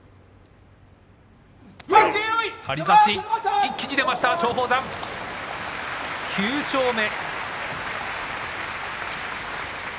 一気に出ました松鳳山９勝目。